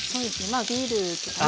まあビールとかね。